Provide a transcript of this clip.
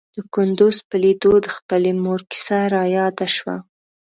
د کندوز په ليدو د خپلې مور کيسه راياده شوه.